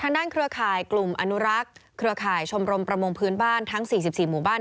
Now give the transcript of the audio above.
เครือข่ายกลุ่มอนุรักษ์เครือข่ายชมรมประมงพื้นบ้านทั้ง๔๔หมู่บ้าน